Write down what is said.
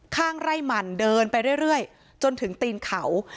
ข้างไร่มันเดินไปเรื่อยจนถึงตีนเขา